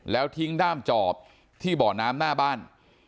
แล้วทิ้งด้ามจอบที่บ่อน้ำหน้าบ้าน